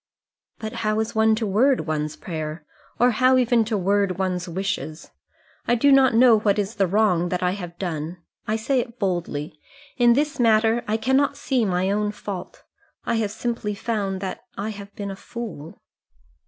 "But how is one to word one's prayer, or how even to word one's wishes? I do not know what is the wrong that I have done. I say it boldly; in this matter I cannot see my own fault. I have simply found that I have been a fool."